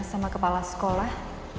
sama kepala sekolah